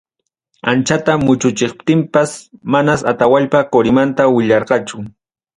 Anchata muchuchiptinpas, manas Atawallpapa qurinmanta willarqachu.